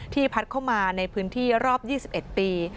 พัดเข้ามาในพื้นที่รอบ๒๑ปี